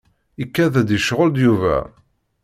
Ikad-d icɣel-d Yuba.